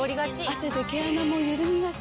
汗で毛穴もゆるみがち。